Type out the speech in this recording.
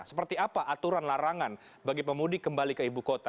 seperti apa aturan larangan bagi pemudik kembali ke ibu kota